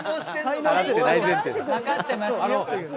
分かってますよ。